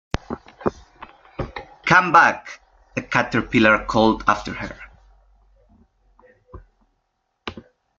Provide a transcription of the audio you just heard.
‘Come back!’ the Caterpillar called after her.